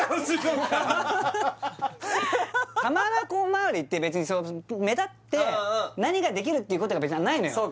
浜名湖周りって別に目立って何ができるってことが別にないのよ